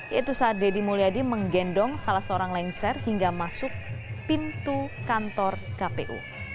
yaitu saat deddy mulyadi menggendong salah seorang lengser hingga masuk pintu kantor kpu